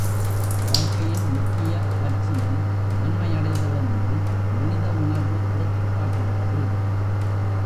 வாழ்க்கையின் முக்கிய லட்சியம் நன்மையடைதல் என்று மனித உணர்வு எடுத்துக் காட்டுகிறது.